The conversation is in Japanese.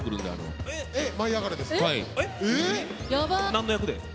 何の役で？